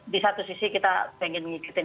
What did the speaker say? di satu sisi kita ingin mengikuti